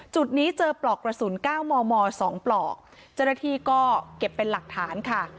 จุดนี้เจอปลอกกระสุน๙มม๒ปลอกเจ้าหน้าที่ก็เก็บเป็นหลักฐานค่ะ